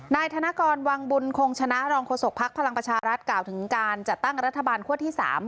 นายธนกรวังบุญคงชนะรองโฆษกภักดิ์พลังประชารัฐกล่าวถึงการจัดตั้งรัฐบาลคั่วที่๓